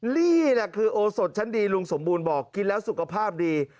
นี่คือโอสดชั้นดีลุงสมบูรณ์บอกกินแล้วสุขภาพดี